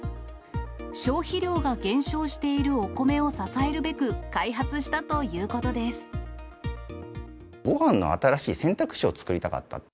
消費量が減少しているお米を支えるべく、開発したということごはんの新しい選択肢を作りたかった。